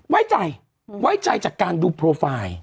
ไว้ใจไว้ใจจากการดูโปรไฟล์